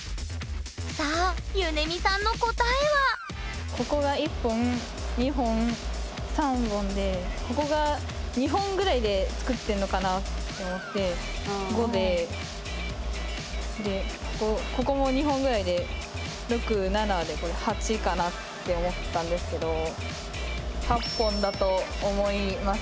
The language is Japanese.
さあゆねみさんの答えはここが１本２本３本でここが２本ぐらいで作ってるのかなと思って５ででここも２本ぐらいで６７でこれ８かなって思ったんですけど８本だと思います。